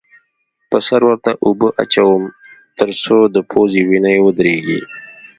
پر سر ورته اوبه اچوم؛ تر څو د پوزې وینه یې ودرېږې.